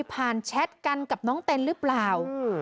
มันมีการแชทกันกับน้องเต็นหรือเปล่า